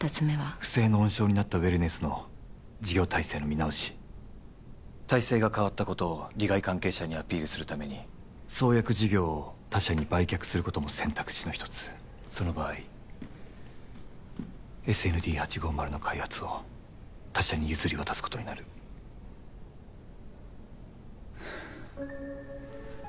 不正の温床になったウェルネスの事業体制の見直し体制が変わったことを利害関係者にアピールするために創薬事業を他社に売却することも選択肢の一つその場合ＳＮＤ８５０の開発を他社に譲り渡すことになるはあ